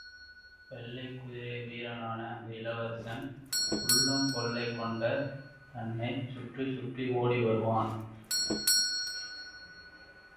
வெள்ளைக் குதிரை வீரனான அந்த இளவசரன் உள்ளங் கொள்ளை கொண்ட தன்னையே சுற்றிச் சுற்றி ஓடி வருவான்.